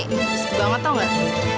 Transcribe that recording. susah banget tau gak